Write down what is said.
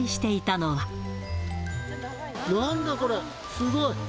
すごい。